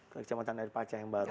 kota kecamatan dari paca yang baru